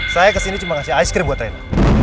saya kesini cuma kasih es krim buat rena